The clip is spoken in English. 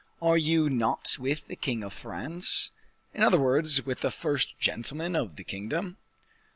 Are you not with the king of France; in other words, with the first gentleman of the kingdom?"